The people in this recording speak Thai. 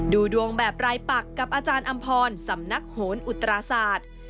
ดูดวงแบบรายปักกับอาจารย์อำพรสำนักโหนอุตราศาสตร์